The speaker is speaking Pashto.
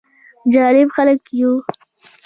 جالب خلک يو: